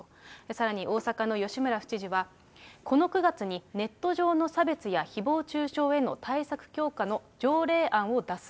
さらに大阪の吉村府知事はこの９月にネット上の差別やひぼう中傷への対策強化の条例案を出す。